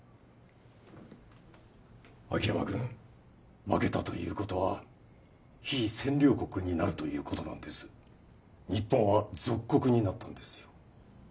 秋山君負けたということは被占領国になるということなんです日本は属国になったんですよ